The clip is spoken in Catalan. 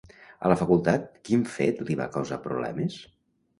A la facultat, quin fet li va causar problemes?